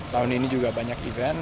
tahun ini juga banyak event